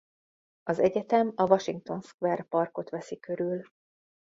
Az egyetem a Washington Square Parkot veszi körül.